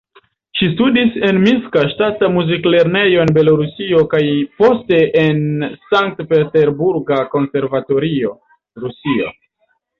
Ŝi studis en Minska Ŝtata Muzik-Lernejo en Belorusio kaj poste en Sankt-Peterburga Konservatorio, Rusio.